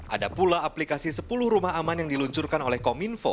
ada pula aplikasi sepuluh rumah aman yang diluncurkan oleh kominfo